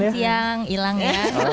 satu jam ilang ya